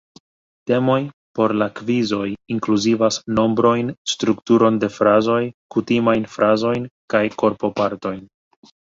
Temoj por la kvizoj inkluzivas nombrojn, strukturon de frazoj, kutimajn frazojn kaj korpopartojn.